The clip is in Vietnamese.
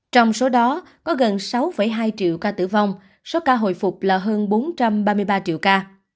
trong số đó có gần sáu hai triệu ca tử vong số ca hồi phục là hơn bốn trăm ba mươi ba triệu ca